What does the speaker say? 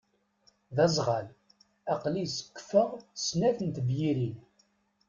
D azɣal. Aqli sekkfeɣ snat n tebyirin!